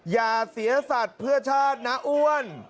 อย่าเสียสัตว์เพื่อชาตินะอ้วน